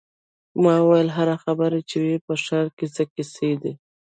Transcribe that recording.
ما وویل: هر خبر چې وي، په ښار کې څه کیسې دي.